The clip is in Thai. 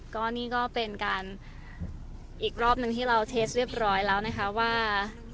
ก็นี่ก็เป็นการอีกรอบหนึ่งที่เราเทสเรียบร้อยแล้วนะคะว่า